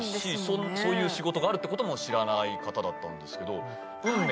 そういう仕事があるってことも知らない方だったんですけど。